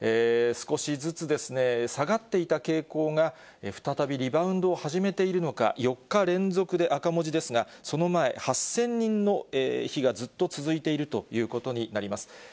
少しずつですね、下がっていた傾向が、再びリバウンドを始めているのか、４日連続で赤文字ですが、その前、８０００人の日がずっと続いているということになります。